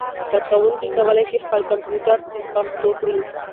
کاروونکي کولای شي خپل کمپيوټر پښتو کړي.